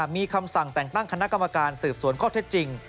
มีคำสั่งแต่งตั้งคณะกรรมการสืบสวนข้อเท็จจริง